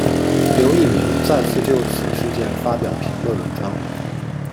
刘逸明再次就此事件发表评论文章。